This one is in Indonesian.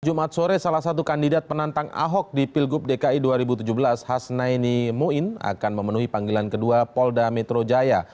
jumat sore salah satu kandidat penantang ahok di pilgub dki dua ribu tujuh belas hasnaini muin akan memenuhi panggilan kedua polda metro jaya